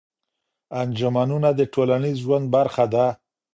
انجمنونه د ټولنيز ژوند برخه ده.